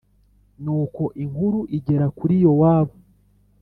Nuko inkuru igera kuri Yowabu